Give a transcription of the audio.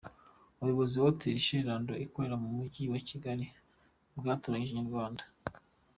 Ubuyobozi bwa Hotel Chez Lando ikorera mu mujyi wa Kigali bwatangarije Inyarwanda.